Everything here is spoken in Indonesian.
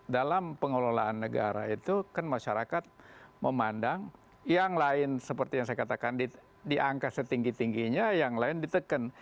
dalam pengelolaan negara itu kan masyarakat memandang yang lain seperti yang saya katakan di angka setinggi tingginya yang lain diteken